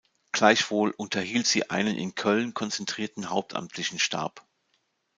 Gleichwohl unterhielt sie einen in Köln konzentrierten Hauptamtlichen-Stab.